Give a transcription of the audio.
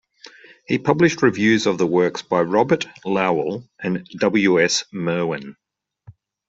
He published reviews of the works by Robert Lowell and W. S. Merwin.